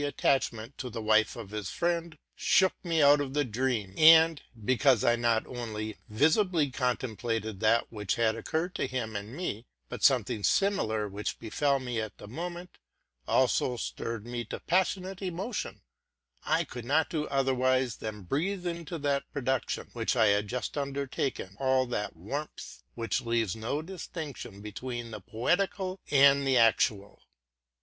167 attachment to the wife of his friend, shook me out of the dream; and because I not only visibly contemplated that which had occurred to him and me, but something similar, which befell me at the moment, also stirred me to passionate emotion, I could not do otherwise than breathe into that production, which I had just undertaken, all that warmth which leaves no distinction between the poetical and the actual.